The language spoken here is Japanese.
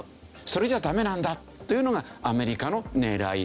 それじゃダメなんだというのがアメリカの狙い。